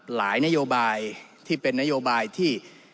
นโยบายที่เป็นนโยบายที่